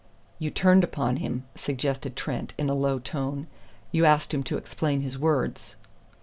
"You turned upon him," suggested Trent in a low tone. "You asked him to explain his words."